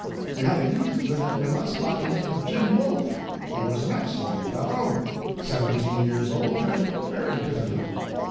We had a youth living with us by the name of Jim Wolfe. He was an excellent fellow, seventeen years old, and very diffident.